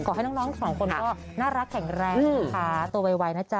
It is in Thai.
ขอให้น้องสองคนก็น่ารักแข็งแรงนะคะตัวไวนะจ๊